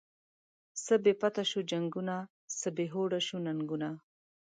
څه بی پته شوو جنگونه، څه بی هوډه شوو ننگونه